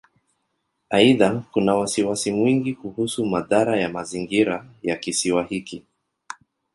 Aidha, kuna wasiwasi mwingi kuhusu madhara ya mazingira ya Kisiwa hiki.